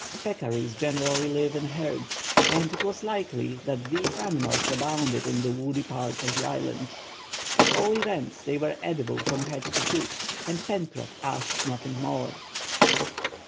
Peccaries generally live in herds, and it was likely that these animals abounded in the woody parts of the island. At all events they were edible from head to foot, and Pencroff asked nothing more.